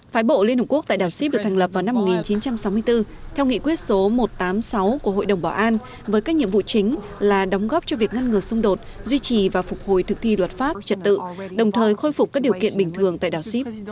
phái bộ liên hợp quốc tại đảo sip được thành lập vào năm một nghìn chín trăm sáu mươi bốn theo nghị quyết số một trăm tám mươi sáu của hội đồng bảo an với các nhiệm vụ chính là đóng góp cho việc ngăn ngừa xung đột duy trì và phục hồi thực thi luật pháp trật tự đồng thời khôi phục các điều kiện bình thường tại đảo sip